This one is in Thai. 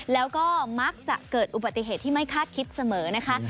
แล้วก็มักจะเกิดอุบัติเหตุที่ไม่คาดคิดเสมอนะคะ